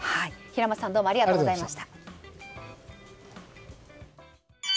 平松さんどうもありがとうございます。